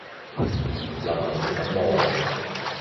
流行性感冒